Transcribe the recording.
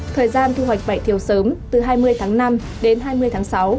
thời gian thu hoạch vải thiều sớm từ hai mươi tháng năm đến hai mươi tháng sáu